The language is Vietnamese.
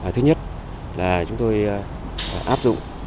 thứ nhất là chúng tôi áp dụng